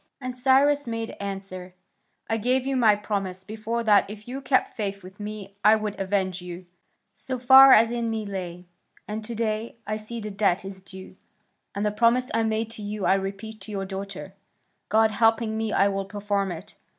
And Cyrus made answer: "I gave you my promise before that if you kept faith with me I would avenge you, so far as in me lay, and to day I see the debt is due, and the promise I made to you I repeat to your daughter; God helping me, I will perform it.